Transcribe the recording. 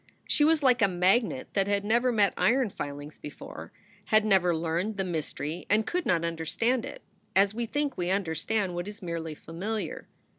She was like a magnet that had never met iron filings before, had never learned the mystery and could not understand it, as we think we understand what is merely familiar.